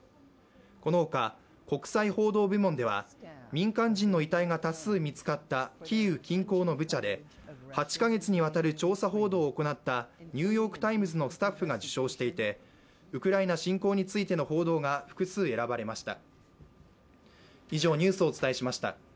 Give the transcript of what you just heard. このほか国際報道部門では民間人の遺体が多数見つかったキーウ近郊のブチャで８か月にわたる調査報道を行った「ニューヨーク・タイムズ」のスタッフが受賞していてウクライナ侵攻についての報道が複数選ばれました。